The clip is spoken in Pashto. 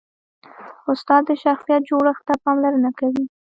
استاد د شخصیت جوړښت ته پاملرنه کوي.